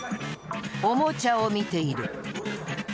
おもちゃを見ている！